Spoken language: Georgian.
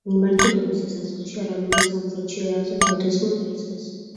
მმართველობის დასაწყისში არაბებმა სამხრეთში ერაყზე თავდასხმა დაიწყეს.